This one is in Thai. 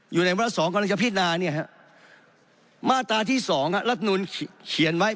อยู่ในเวลา๒กำลังจะพิจารณามาตราที่๒รัฐนุนเขียนไว้